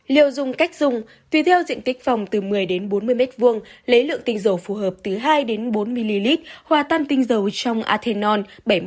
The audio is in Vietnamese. liều dùng cách dùng tùy theo diện tích phòng từ một mươi bốn mươi m hai lấy lượng tinh dầu phù hợp từ hai bốn ml hòa tăn tinh dầu trong athenon bảy mươi năm